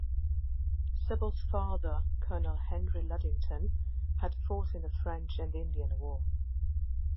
Sybil's father, Colonel Henry Ludington, had fought in the French and Indian War.